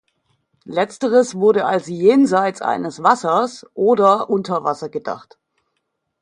Letzteres wurde als jenseits eines Wassers oder unter Wasser gedacht.